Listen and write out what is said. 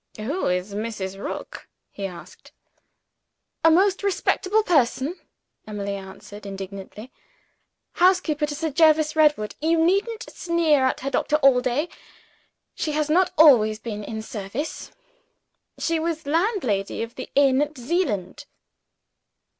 "Who is Mrs. Rook?" he asked. "A most respectable person," Emily answered indignantly; "housekeeper to Sir Jervis Redwood. You needn't sneer at her, Doctor Allday! She has not always been in service she was landlady of the inn at Zeeland."